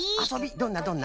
どんなどんな？